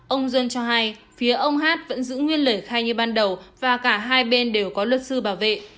ông john cho hay phía ông hát vẫn giữ nguyên lời khai như ban đầu và cả hai bên đều có luật sư bảo vệ